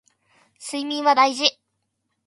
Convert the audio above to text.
睡眠は大事